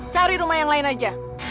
cari rumah yang lain aja